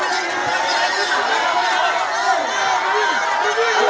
aduh aduh aduh